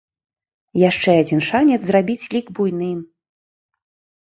Яшчэ адзін шанец зрабіць лік буйным.